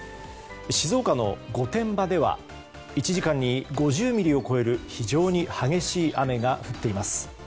静岡の御殿場では１時間に５０ミリを超える非常に激しい雨が降っています。